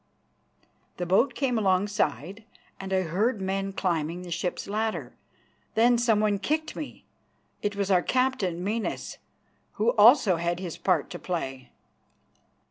The boat came alongside and I heard men climbing the ship's ladder. Then someone kicked me. It was our captain, Menas, who also had his part to play.